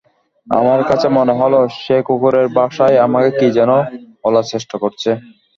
আমার কাছে মনে হল, সে কুকুরের ভাষায় আমাকে কী যেন বলার চেষ্টা করছে।